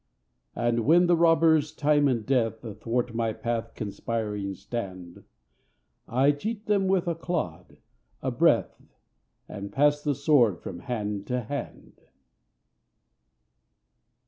And when the robbers Time and Death Athwart my path conspiring stand, I cheat them with a clod, a breath, And pass the sword from hand to hand!